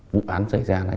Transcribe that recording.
vụ bán chạy xe này